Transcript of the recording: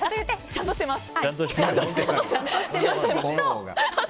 ちゃんとしてます。